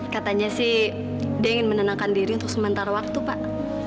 katanya sih dia ingin menenangkan diri untuk sementara waktu pak